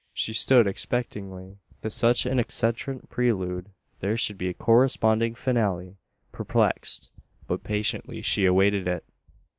She stood expectingly. To such an eccentric prelude there should be a corresponding finale. Perplexed, but patiently, she awaited it.